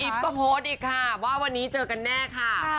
ก็โพสต์อีกค่ะว่าวันนี้เจอกันแน่ค่ะ